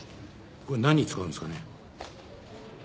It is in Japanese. これ何に使うんですかね？